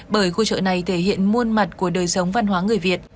bởi khu chợ này thể hiện muôn mặt của đời sống văn hóa người việt